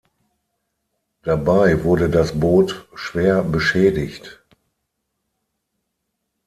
Dabei wurde das Boot schwer beschädigt.